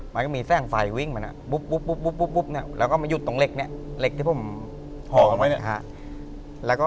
แล้วก็มีแซ่งไฟวิ่งมาเนี่ย